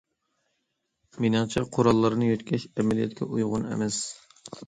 مېنىڭچە قوراللارنى يۆتكەش ئەمەلىيەتكە ئۇيغۇن ئەمەس.